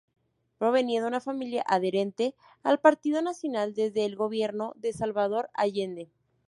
Provenía de una familia adherente al Partido Nacional desde el gobierno de Salvador Allende.